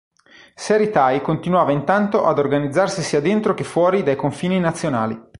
Seri Thai continuava intanto ad organizzarsi sia dentro che fuori dai confini nazionali.